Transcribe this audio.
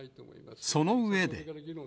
その上で。